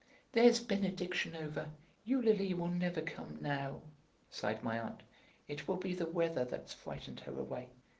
"There's Benediction over! Eulalie will never come now," sighed my aunt. "It will be the weather that's frightened her away."